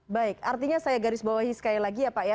baik artinya saya garis bawahi sekali lagi ya pak ya